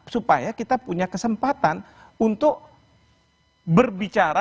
supaya kita punya kesempatan untuk berbicara